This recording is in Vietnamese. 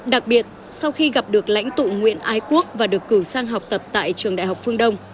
đặc biệt sau khi gặp được lãnh tụ nguyễn ái quốc và được cử sang học tập tại trường đại học phương đông